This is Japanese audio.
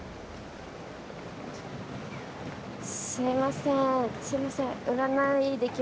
すいません。